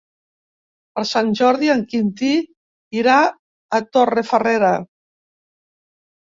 Per Sant Jordi en Quintí irà a Torrefarrera.